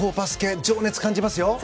情熱を感じますよ。